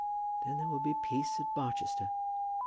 Then there will be peace at Barchester!"